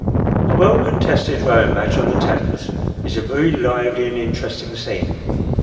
A well contested rowing match on the Thames, is a very lively and interesting scene.